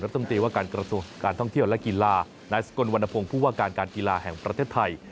รัฐมนตรีว่าการกระทรวงการท่องเที่ยวและกีฬานายสกลวรรณพงศ์ผู้ว่าการการกีฬาแห่งประเทศไทย